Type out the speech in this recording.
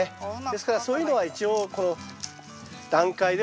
ですからそういうのは一応この段階では外して頂くと。